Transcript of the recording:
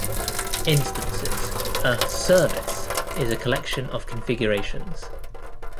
Instances: a "service" is a collection of configurations.